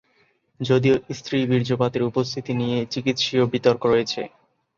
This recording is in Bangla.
যদিও, স্ত্রী বীর্যপাতের উপস্থিতি নিয়ে চিকিৎসীয় বিতর্ক রয়েছে।